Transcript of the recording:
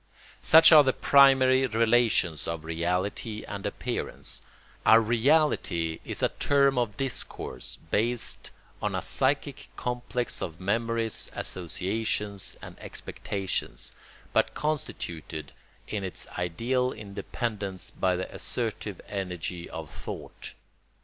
Such are the primary relations of reality and appearance. A reality is a term of discourse based on a psychic complex of memories, associations, and expectations, but constituted in its ideal independence by the assertive energy of thought.